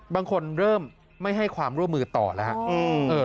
บางคนเริ่มไม่ให้ความร่วมมือต่อแล้วครับ